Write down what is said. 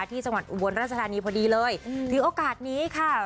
ที่จังหวัดอุบลราชธานีพอดีเลยที่โอกาสนี้ค่ะ